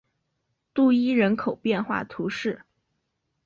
杜伊人口变化图示